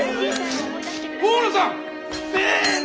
大野さん！せの！